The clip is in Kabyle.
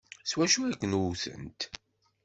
S wacu ay k-wtent?